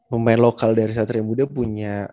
pemain lokal dari satria muda punya